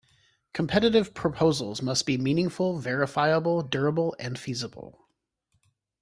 Competitive proposals must be meaningful, verifiable, durable and feasible.